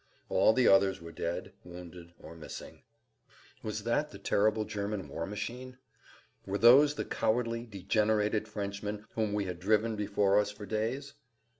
All the others were dead, wounded or missing. Who knew? Was that the terrible German war machine? Were those the cowardly, degenerated Frenchmen whom we had driven before us for days?